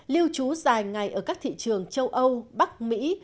lưu trú dài ngày ở các thị trường châu âu bắc mỹ